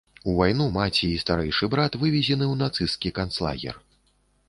У вайну маці і старэйшы брат вывезены ў нацысцкі канцлагер.